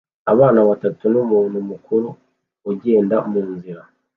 Abana batatu numuntu mukuru ugenda munzira